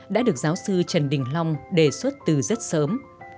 đã được giáo sư trần đình long đề xuất từ rất sớm